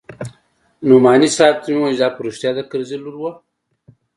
نعماني صاحب ته مې وويل دا په رښتيا د کرزي لور وه.